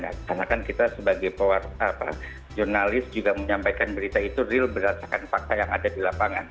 karena kan kita sebagai power jurnalist juga menyampaikan berita itu real berdasarkan fakta yang ada di lapangan